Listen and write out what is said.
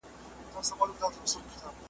د ځینو د لمن نه د داغ لیری کولو څخه